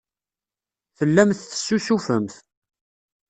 Tellamt tessusufemt.